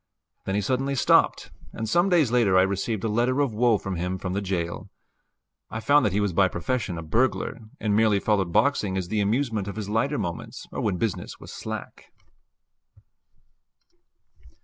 Then he suddenly stopped, and some days later I received a letter of woe from him from the jail. I found that he was by profession a burglar, and merely followed boxing as the amusement of his lighter moments, or when business was slack.